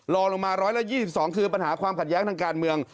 รอลงมา๑๒๒คือปัญหาความขัดแย้งทางการเมือง